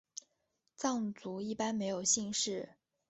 藏族一般没有姓氏。